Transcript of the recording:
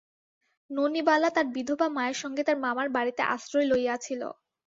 ননিবালা তার বিধবা মায়ের সঙ্গে তার মামার বাড়িতে আশ্রয় লইয়াছিল।